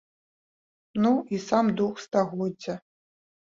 Ну і сам дух стагоддзя.